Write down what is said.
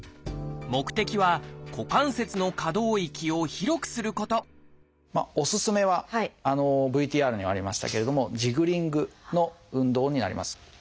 目的は股関節の可動域を広くすることおすすめはＶＴＲにありましたけれどもジグリングの運動になります。